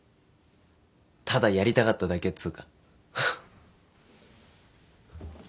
ただやりたかっただけっつうか。